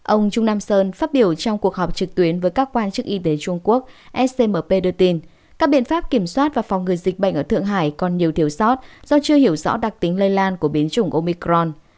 ông trung nam sơn phát biểu trong cuộc họp trực tuyến với các quan chức y tế trung quốc scmp đưa tin các biện pháp kiểm soát và phòng ngừa dịch bệnh ở thượng hải còn nhiều thiếu sót do chưa hiểu rõ đặc tính lây lan của biến chủng omicron